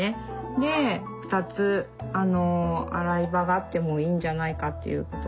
で２つ洗い場があってもいいんじゃないかということで。